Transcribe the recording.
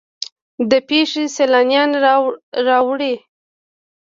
دا پیښې سیلانیان راوړي.